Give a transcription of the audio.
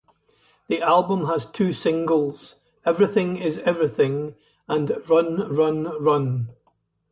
The album has two singles; "Everything Is Everything" and "Run Run Run".